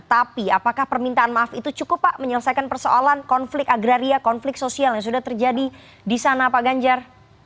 tapi apakah permintaan maaf itu cukup pak menyelesaikan persoalan konflik agraria konflik sosial yang sudah terjadi di sana pak ganjar